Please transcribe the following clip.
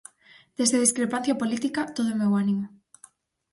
Desde a discrepancia política, todo o meu ánimo.